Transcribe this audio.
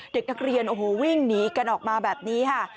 เด็กนักเรียนโอ้โหวิ่งหนีกันออกมาแบบนี้ค่ะ